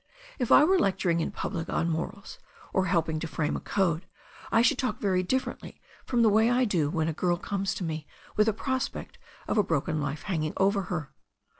If I were lecturing in public OB morals, or helping to frame a code, I should talk very differently from the way I do when a girl comes to me with the prospect of a broken life hanging over her.